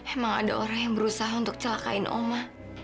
emang ada orang yang berusaha untuk celakain oma